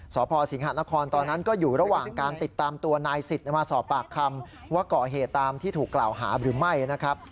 สพสิงหานครตอนนั้นก็อยู่ระหว่างการติดตามตัวนายสิทธิ์มาสอบปากคำว่าก่อเหตุตามที่ถูกกล่าวหาหรือไม่นะครับ